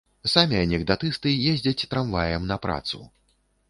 Самі анекдатысты ездзяць трамваем на працу.